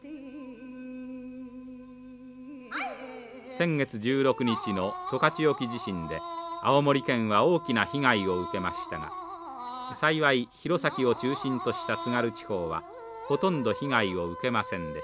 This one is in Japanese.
先月１６日の十勝沖地震で青森県は大きな被害を受けましたが幸い弘前を中心とした津軽地方はほとんど被害を受けませんでした。